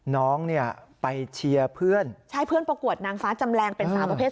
น้องเนี่ยไปเชียร์เพื่อนใช่เพื่อนประกวดนางฟ้าจำแรงเป็นสาวประเภท